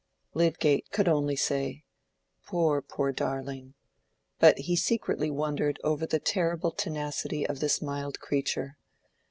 Lydgate could only say, "Poor, poor darling!"—but he secretly wondered over the terrible tenacity of this mild creature.